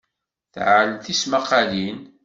Tɛell tismaqalin.